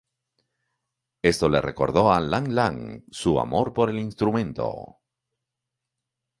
Esto le recordó a Lang Lang su amor por el instrumento.